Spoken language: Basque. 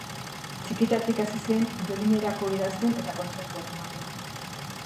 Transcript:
Txikitatik hasi zen biolinerako idazten eta kontzertuak ematen.